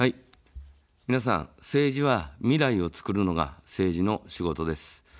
皆さん、政治は未来をつくるのが政治の仕事です。